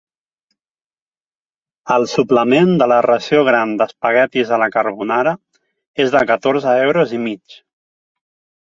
El suplement de la ració gran d'espaguetis a la carbonara és de catorze euros i mig.